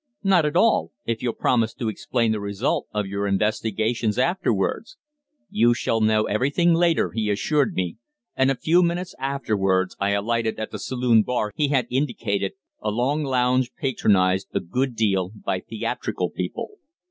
"Not at all, if you'll promise to explain the result of your investigations afterwards." "You shall know everything later," he assured me, and a few minutes afterwards I alighted at the saloon bar he had indicated, a long lounge patronised a good deal by theatrical people.